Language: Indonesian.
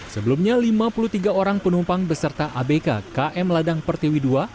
sebelumnya lima puluh tiga orang penumpang beserta abk km ladang pertiwi ii